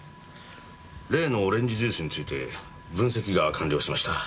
例のオレンジジュースについて分析が完了しました。